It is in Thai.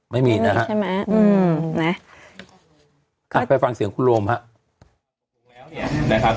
ไม่มีนะครับไปฟังเสียงคุณโลมครับ